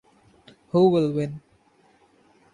Who will win?